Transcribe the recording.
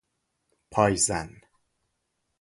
پایزن